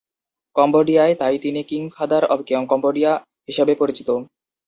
কম্বোডিয়ায় তাই তিনি ‘king father of Cambodia’ হিসেবে পরিচিত।